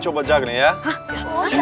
kehendaknya kayanya agak agak